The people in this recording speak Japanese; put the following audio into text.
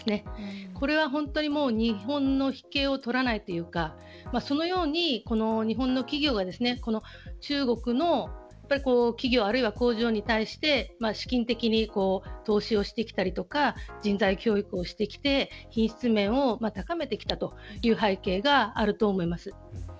これは本当に日本の引けを取らないというかそのように日本の企業が中国の企業あるいは工場に対して資金的に投資をしてきたりとか人材教育をしてきて品質面を高めてきたという背景があると思います。